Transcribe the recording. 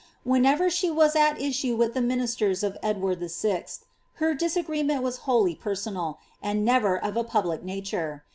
Whenever she w^as at issue with the ministers of Edward VI., her disagreement was wholly personal, and nev^r of a pub lic nature.